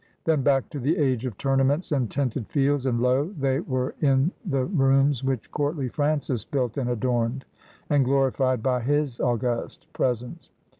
Then back to the age of tournaments and tented fields ; and, lo ! they were in the rooms which courtly Francis built and adorned, and glorified by his august presence.